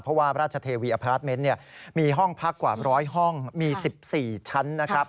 เพราะว่าราชเทวีเนี่ยมีห้องพักกว่าร้อยห้องมีสิบสี่ชั้นนะครับ